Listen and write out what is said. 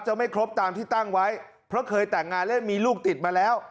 ไม่ครบตามที่ตั้งไว้เพราะเคยแต่งงานและมีลูกติดมาแล้ว